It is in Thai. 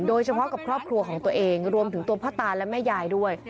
โดยเฉพาะกับครอบครัวของตัวเองรวมถึงตัวพ่อตาและแม่ยายด้วย